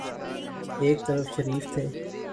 ایک طرف شریف تھے۔